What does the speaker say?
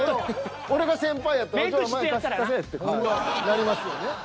俺が先輩やったら「お前貸せ」ってなりますよね。